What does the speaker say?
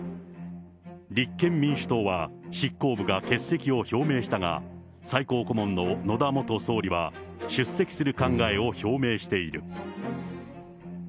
立憲民主党は、執行部が欠席を表明したが、最高顧問の野田元総理は出席する考えを表明している。